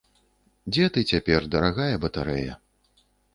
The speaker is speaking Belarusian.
Дзе ты цяпер, дарагая батарэя?